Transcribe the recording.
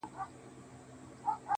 هغه ښايسته بنگړى په وينو ســـور دى.